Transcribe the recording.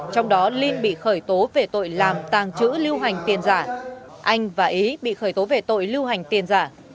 trong đó linh bị khởi tố về tội làm tàng trữ lưu hành tiền giả anh và ý bị khởi tố về tội lưu hành tiền giả